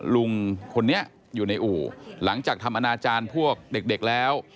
ลุงคนนี้อยู่ในอู่หลังจากทำอนาจารย์พวกเด็กแล้ว